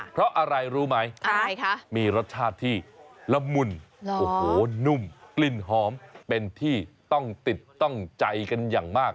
เพราะอะไรรู้ไหมมีรสชาติที่ละมุนโอ้โหนุ่มกลิ่นหอมเป็นที่ต้องติดต้องใจกันอย่างมาก